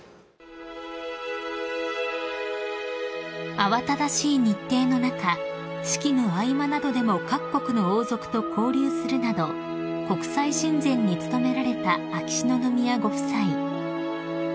［慌ただしい日程の中式の合間などでも各国の王族と交流するなど国際親善に努められた秋篠宮ご夫妻］